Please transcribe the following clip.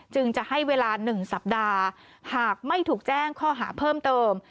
จึงจะให้เวลา๑สัปดาห์หากไม่ถูกแจ้งข้อหาเพิ่มเติม